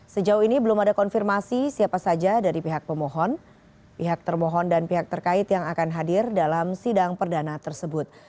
sejauh ini belum ada konfirmasi siapa saja dari pihak pemohon pihak termohon dan pihak terkait yang akan hadir dalam sidang perdana tersebut